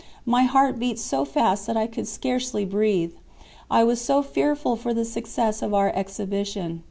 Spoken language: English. My heart beat so fast that I could scarcely breathe, I was so fearful for the success of our exhibition.